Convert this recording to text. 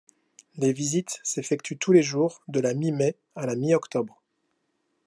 Les visites s'effectuent tous les jours de la mi-mai à la mi-octobre.